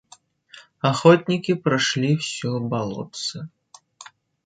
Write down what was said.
Охотники прошли всё болотце.